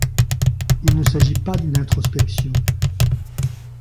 Il ne s'agit pas d'une introspection.